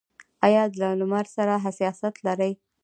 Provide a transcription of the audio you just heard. ایا له لمر سره حساسیت لرئ؟